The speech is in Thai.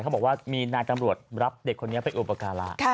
เขาบอกว่ามีนายตำรวจรับเด็กคนนี้ไปอุปการะ